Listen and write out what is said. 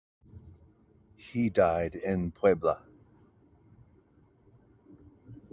He died in Puebla.